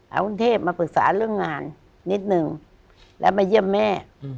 เอากรุงเทพมาปรึกษาเรื่องงานนิดนึงแล้วมาเยี่ยมแม่